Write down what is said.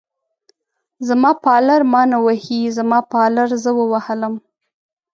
زما پالر ما نه وهي، زما پالر زه ووهلم.